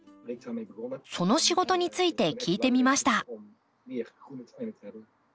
その仕事について聞いてみました。